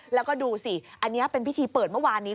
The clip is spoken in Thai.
แล้วก็ดูสิอันนี้เป็นพิธีเปิดเมื่อวานนี้